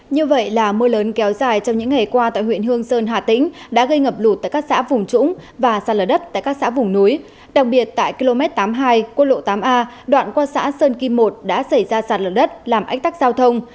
như vậy là mưa lớn kéo dài trong những ngày qua tại huyện hương sơn hà tĩnh đã gây ngập lụt tại các xã vùng trũng và sạt lở đất tại các xã vùng núi đặc biệt tại km tám mươi hai quốc lộ tám a đoạn qua xã sơn kim một đã xảy ra sạt lở đất làm ách tắc giao thông